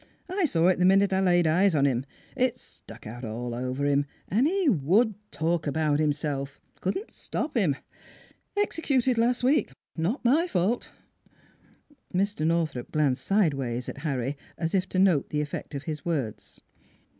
" I saw it the minute I laid eyes on him. It stuck out all over him; and he would talk about himself. Couldn't stop him. .... Executed last week. Not my fault." Mr. Northrup glanced sidewise at Harry, as if to note the effect of his words.